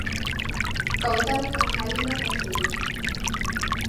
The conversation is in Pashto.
کوتره تنهایي نه خوښوي.